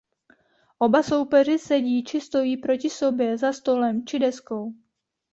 Oba soupeři sedí či stojí proti sobě za stolem či deskou.